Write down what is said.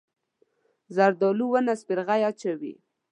زردالو ونه سپرغۍ اچوي.